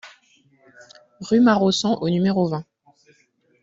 Rue Maraussan au numéro vingt